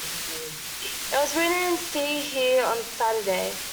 It was renamed "See Hear on Saturday".